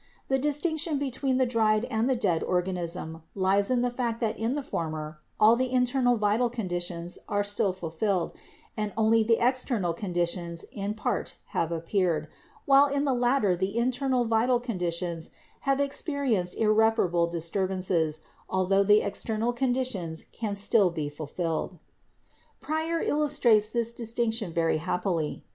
The distinction between the dried and the dead organism lies in the fact that in the former all the internal vital condi tions are still fulfilled and only the external conditions in part have appeared, while in the latter the internal vital conditions have experienced irreparable disturbances, altho the external conditions can still be fulfilled. Preyer illustrates this distinction very happily.